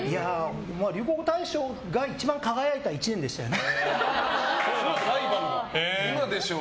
流行語大賞が一番輝いた１年でしたよね。